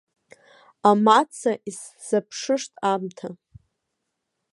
Амаца исзаԥшышт аамҭа.